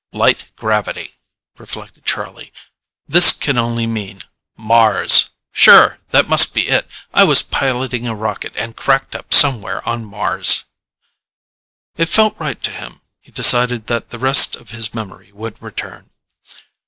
Light gravity! reflected Charlie. This can only mean MARS! Sure! That must be it I was piloting a rocket and cracked up somewhere on Mars. It felt right to him. He decided that the rest of his memory would return.